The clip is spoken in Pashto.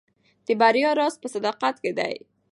د بریا راز په صداقت کې دی.